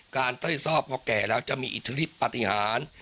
การเต้นซอบเมื่อแก่แล้วจะมีอิทธิฤทธิ์ปฏิหาร